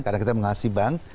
karena kita mengasih bank